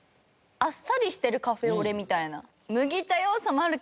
あっさりしてるカフェオレみたいな。